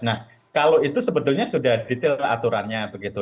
nah kalau itu sebetulnya sudah detail aturannya begitu